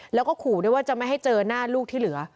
แล้วก็ขู่ด้วยว่าจะไม่ให้เจอหน้าลูกที่เหลือ